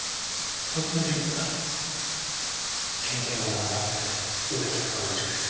こっちの人物は県警のナンバー２梅木副本部長です。